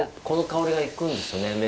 この香りがいくんですよね